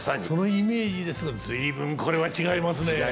そのイメージですが随分これは違いますね。